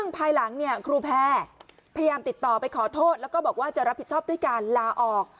ภายหลังครูแพร่พยายามติดต่อไปขอโทษแล้วก็บอกว่าจะรับผิดชอบด้วยการลาออก